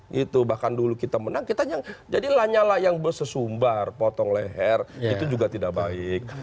gitu bahkan dulu kita menang kita yang jadi lanyala yang bersesumbar potong leher itu juga tidak baik